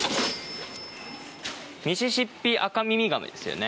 ミシシッピアカミミガメですよね